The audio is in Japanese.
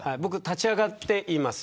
立ち上がって言います。